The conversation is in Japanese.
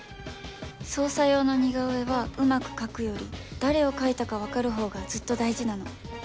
捜査用の似顔絵はうまく描くより誰を描いたか分かるほうがずっと大事なの。